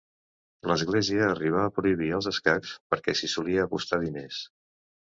L'Església arribà a prohibir els escacs, perquè s'hi solia apostar diners.